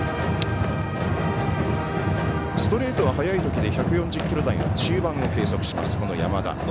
ストレートは速いときで１４０キロ台の中盤を計測する山田。